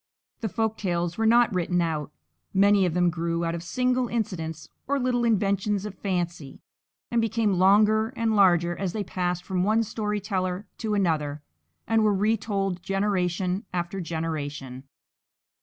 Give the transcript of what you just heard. The folk tales were not written out; many of them grew out of single incidents or little inventions of fancy, and became longer and larger as they passed from one story teller to another and were retold generation after generation.